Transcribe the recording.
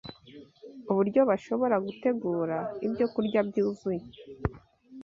uburyo bashobora gutegura Ibyokurya byuzuye